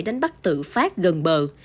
đánh bắt tự phát gần bờ